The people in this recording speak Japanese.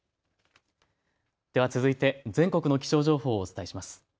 では続いて全国の気象情報をお伝えします。